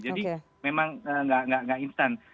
jadi memang gak instan